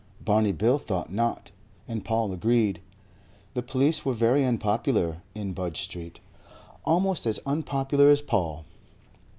Barney Bill thought not, and Paul agreed. The police were very unpopular in Budge Street almost as unpopular as Paul.